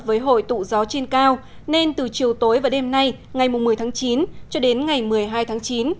với hội tụ gió trên cao nên từ chiều tối và đêm nay ngày một mươi tháng chín cho đến ngày một mươi hai tháng chín